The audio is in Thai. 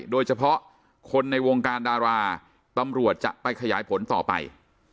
โดยเฉพาะคนในวงการดาราตำรวจจะไปขยายผลต่อไป